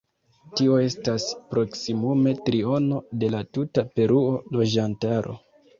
Tio estas proksimume triono de la tuta Peruo loĝantaro.